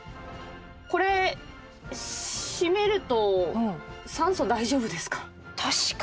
これ閉めると酸素大丈夫ですか？